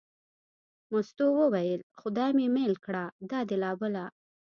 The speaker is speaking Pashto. مستو وویل: خدای مې مېل کړه دا دې لا بله.